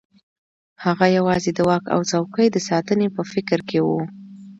هغه یوازې د واک او څوکۍ د ساتنې په فکر کې وو.